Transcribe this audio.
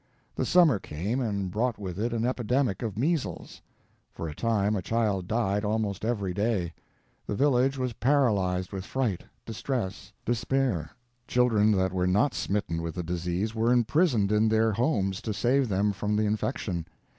The summer came, and brought with it an epidemic of measles. For a time a child died almost every day. The village was paralyzed with fright, distress, despair. Children that were not smitten with the disease were imprisoned in their homes to save them from the infection.